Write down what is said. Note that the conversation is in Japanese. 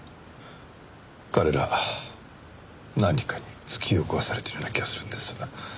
彼ら何かに突き動かされてるような気がするんです。